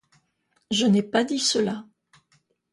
Je n’ai pas dit cela.